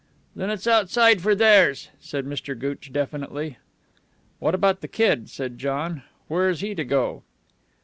"Then it's outside for theirs," said Mr. Gooch definitely. "What about the kid?" said John. "Where's he to go?"